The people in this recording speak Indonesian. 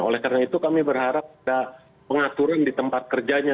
oleh karena itu kami berharap ada pengaturan di tempat kerjanya